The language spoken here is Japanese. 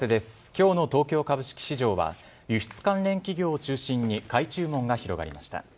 きょうの東京株式市場は、輸出関連企業を中心に買い注文が広がりました。